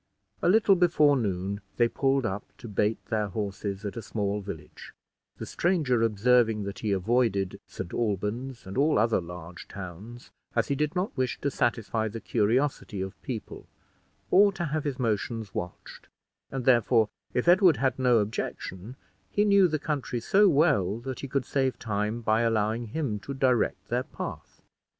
A little before noon they pulled up to bait their horses at a small village; the stranger observing that he avoided St. Alban's, and all other large towns, as he did not wish to satisfy the curiosity of people, or to have his motions watched; and therefore, if Edward had no objection, he knew the country so well, that he could save time by allowing him to direct their path.